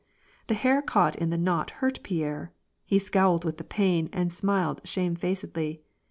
The hair caught in the knot hurt Pierre, he scowled with the pain and smiled shamefacedly.